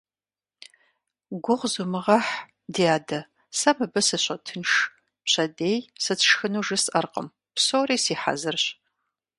Гугъу зумыгъэхь, ди адэ, сэ мыбы сыщотынш, пщэдей сыт сшхыну жысӀэркъым, псори си хьэзырщ.